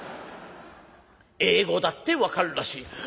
英語だって分かるらしい。